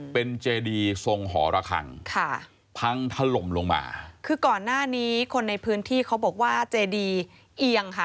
เป็นเจดีทรงหอระคังค่ะพังถล่มลงมาคือก่อนหน้านี้คนในพื้นที่เขาบอกว่าเจดีเอียงค่ะ